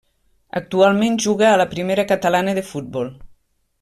Actualment juga a la Primera Catalana de Futbol.